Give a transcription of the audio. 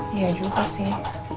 iya juga sih